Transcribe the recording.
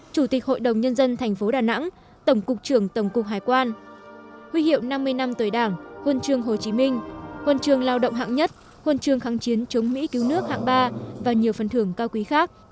chủ tịch hội đồng nhân dân thành phố đà nẵng tổng cục trưởng tổng cục hải quan huy hiệu năm mươi năm tuổi đảng huân trường hồ chí minh huân trường lao động hạng nhất huân chương kháng chiến chống mỹ cứu nước hạng ba và nhiều phần thưởng cao quý khác